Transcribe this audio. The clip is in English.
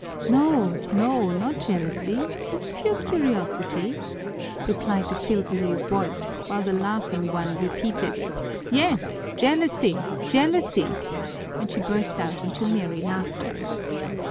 "No, no, not jealousy, it's pure curiosity," replied the silvery voice, while the laughing one repeated, "Yes, jealousy, jealousy!" and she burst out into merry laughter.